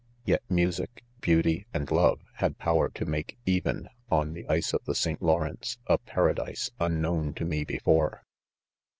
Yet music, beauty, and ; love, had power to make even, on the ice .of the St. Lawrence, a paradise un ■ known to me before.